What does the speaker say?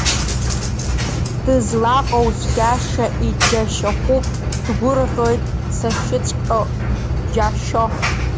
Дызлаҟоу цәгьашәа иџьашьахәуп, дгәырӷьоит сашьыҵәҟьо џьашьо.